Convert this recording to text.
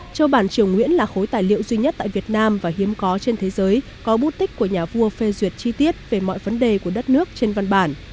châu bản triều nguyễn là khối tài liệu duy nhất tại việt nam và hiếm có trên thế giới có bút tích của nhà vua phê duyệt chi tiết về mọi vấn đề của đất nước trên văn bản